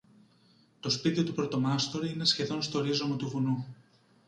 Το σπίτι του πρωτομάστορη είναι σχεδόν στο ρίζωμα του βουνού